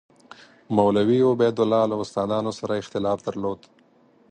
مولوي عبیدالله له استادانو سره اختلاف درلود.